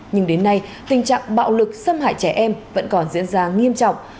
nhưng đến nay tình trạng bạo lực xâm hại trẻ em vẫn còn diễn ra nghiêm trọng